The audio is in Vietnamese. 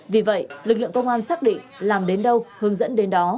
vì vậy lực lượng công an xác định làm đến đâu hướng dẫn đến đó